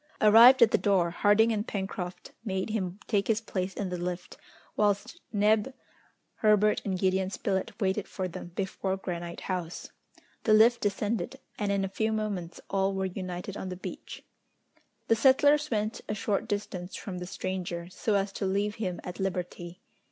Arrived at the door, Harding and Pencroft made him take his place in the lift, whilst Neb, Herbert, and Gideon Spilett waited for them before Granite House. The lift descended, and in a few moments all were united on the beach. The settlers went a short distance from the stranger, so as to leave him at liberty.